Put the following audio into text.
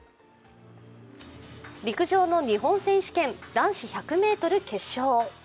陸上の日本選手権男子１００ｍ決勝。